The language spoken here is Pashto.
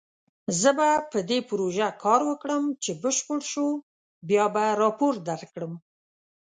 زه به په دې پروژه کار وکړم، چې بشپړ شو بیا به راپور درکړم